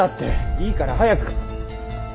いいから早く。